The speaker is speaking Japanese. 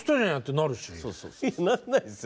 なんないですよ